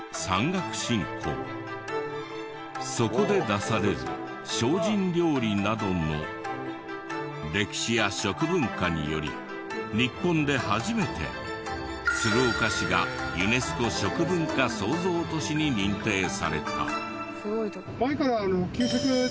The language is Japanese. そこで出される精進料理などの歴史や食文化により日本で初めて鶴岡市がユネスコ食文化創造都市に認定された。